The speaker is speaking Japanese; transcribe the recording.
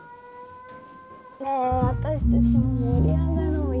ねえ私たちも盛り上がろうよ。